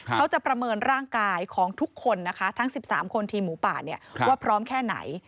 เขาจะประเมินร่างกายของทุกคนนะคะทั้ง๑๓คนทีมหมูป่าว่าพร้อมแค่ไหน